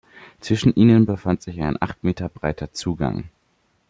Zwischen ihnen befand sich ein acht Meter breiter Zugang.